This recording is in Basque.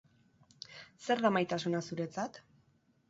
Zer da maitasuna zuretzat?